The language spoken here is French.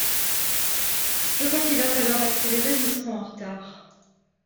Je crois qu'il va falloir accélérer ou nous serons en retard.